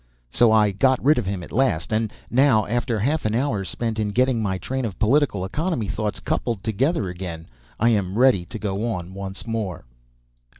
So I got rid of him at last; and now, after half an hour spent in getting my train of political economy thoughts coupled together again, I am ready to go on once more.